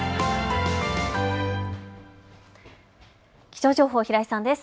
気象情報、平井さんです。